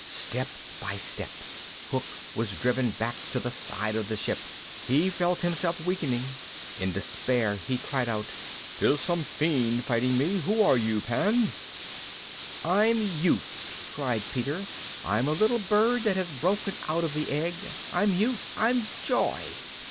Step by step Hook was driven back to the side of the ship. He felt himself weakening. In despair he cried out: "'Tis some fiend fighting me! Who are you, Pan?" [Illustration: "THAT MAN IS MINE!"] "I'm youth!" cried Peter, "I'm a little bird that has broken out of the egg. I'm youth! I'm joy!"